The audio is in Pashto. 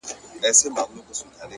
چې بد ګومانه یې سعوده بد ګومانه اوسه